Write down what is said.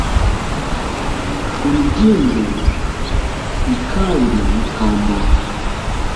Urugimbu i kandi mukambara